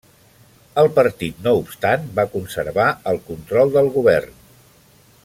El partit no obstant va conservar el control del govern.